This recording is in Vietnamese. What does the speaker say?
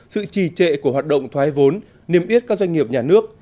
sự trì trệ của hoạt động thoái vốn niêm yết các doanh nghiệp nhà nước